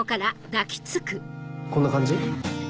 こんな感じ？